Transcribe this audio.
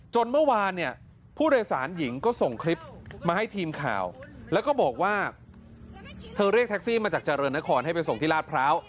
เมื่อวานเนี่ยผู้โดยสารหญิงก็ส่งคลิปมาให้ทีมข่าวแล้วก็บอกว่าเธอเรียกแท็กซี่มาจากเจริญนครให้ไปส่งที่ลาดพร้าว